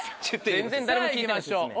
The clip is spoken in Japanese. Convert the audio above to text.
全然誰も聞いてない説明。